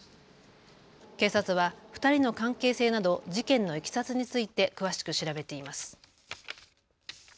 警察は２人の関係性など事件のいきさつについて詳しく調べています。